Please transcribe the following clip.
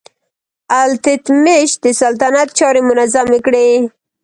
التتمش د سلطنت چارې منظمې کړې.